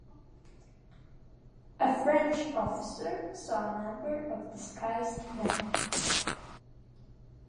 A French officer saw a number of disguised men.